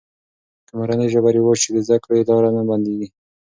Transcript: که مورنۍ ژبه رواج سي، د زده کړې لاره نه بندېږي.